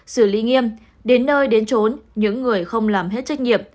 xử lý nghiêm đến nơi đến trốn những người không làm hết trách nhiệm